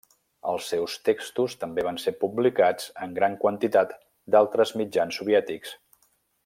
Els seus textos també van ser publicats en gran quantitat d'altres mitjans soviètics.